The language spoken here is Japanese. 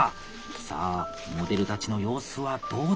さあモデルたちの様子はどうだ！